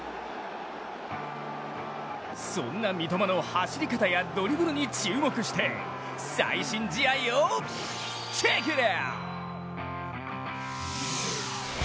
そんな三笘の走り方やドリブルに注目して最新試合をチェケラ！